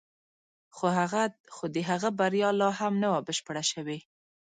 خو د هغه بریا لا هم نه وه بشپړه شوې